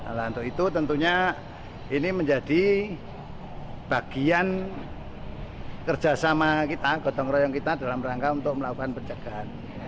nah untuk itu tentunya ini menjadi bagian kerjasama kita gotong royong kita dalam rangka untuk melakukan pencegahan